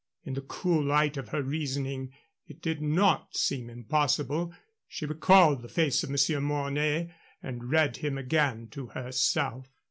In the cool light of her reasoning it did not seem impossible. She recalled the face of Monsieur Mornay and read him again to herself.